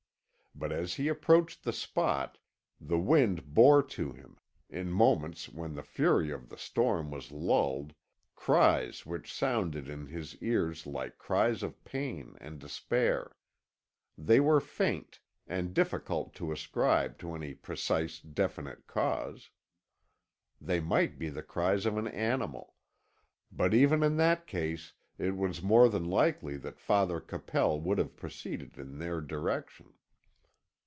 But as he approached the spot, the wind bore to him, in moments when the fury of the storm was lulled, cries which sounded in his ears like cries of pain and despair They were faint, and difficult to ascribe to any precise definite cause; they might be the cries of an animal, but even in that case it was more than likely that Father Capel would have proceeded in their direction.